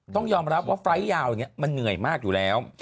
ต้องยอมรับว่าไฟล์ยาวมันเหนื่อยมากอยู่แล้ว